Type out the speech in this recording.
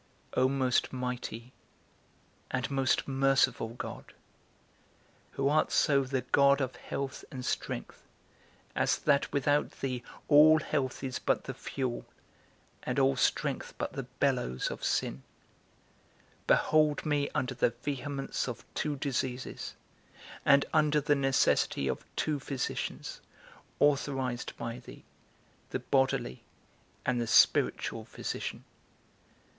O most mighty and most merciful God, who art so the God of health and strength, as that without thee all health is but the fuel, and all strength but the bellows of sin; behold me under the vehemence of two diseases, and under the necessity of two physicians, authorized by thee, the bodily, and the spiritual physician.